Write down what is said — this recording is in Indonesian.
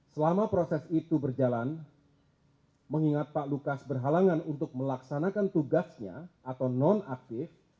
selama proses itu berjalan mengingat pak lukas berhalangan untuk melaksanakan tugasnya atau non aktif